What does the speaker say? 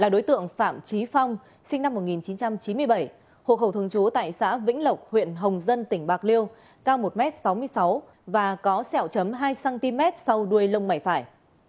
đối tượng phạm trí phong sinh năm một nghìn chín trăm chín mươi bảy hộ khẩu thường trú tại xã vĩnh lộc huyện hồng dân tỉnh bạc liêu cao một m sáu mươi sáu và có sẹo chấm hai cm sau đuôi lông mày phải